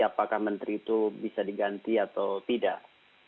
apakah menteri itu bisa diganti atau tidak